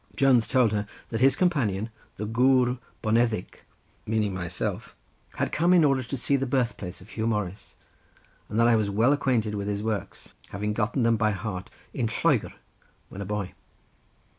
Jones told her that his companion, the gwr boneddig, meaning myself, had come in order to see the birthplace of Huw Morris, and that I was well acquainted with his works, having gotten them by heart in Lloegr, when a boy.